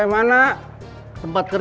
kamu nggak punya kue